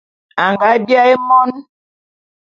Anga biaé mon.